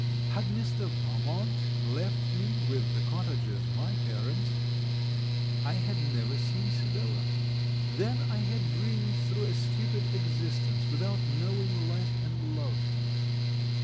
Had Mr. Valmont left me with the cottagers my parents, I had never seen Sibella; then I had dreamed through a stupid existence, without knowing life and love.